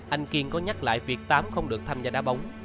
anh kiên có nhắc lại việc tám không được tham gia đá bóng